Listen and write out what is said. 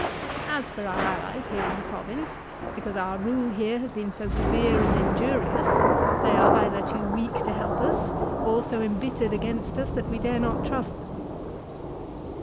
" As for our allies here in the province, because our rule here has been so severe and injurious, they are either too weak to help us, or so embittered against us that we dare not trust them."